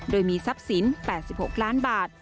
โดยมีทรัพย์สิน๘๖ล้านบาท